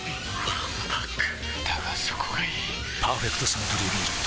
わんぱくだがそこがいい「パーフェクトサントリービール糖質ゼロ」